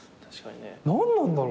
何なんだろうね？